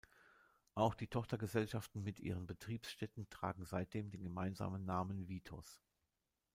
Auch die Tochtergesellschaften mit ihren Betriebsstätten tragen seitdem den gemeinsamen Namen Vitos.